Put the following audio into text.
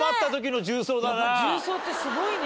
重曹ってすごいね。